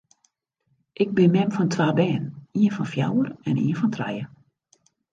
Ik bin mem fan twa bern, ien fan fjouwer en ien fan trije.